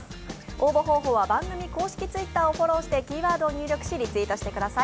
応募方法は番組公式Ｔｗｉｔｔｅｒをフォローしてキーワードを入力し、リツイートしてください。